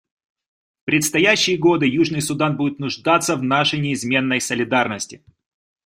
В предстоящие годы Южный Судан будет нуждаться в нашей неизменной солидарности.